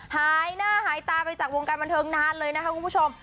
หายหน้าหายตาไปจากวงการบันเทิงนานเลยนะคะคุณผู้ชม